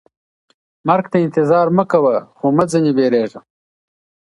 مرګ ته انتظار مه کوه خو مه ترې ویریږه.